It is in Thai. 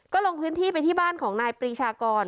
ก็ลงพื้นที่ไปที่บ้านของนายปรีชากร